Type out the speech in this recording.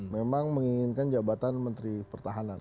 memang menginginkan jabatan menteri pertahanan